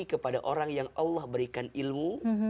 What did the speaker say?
kepada orang yang allah berikan ilmu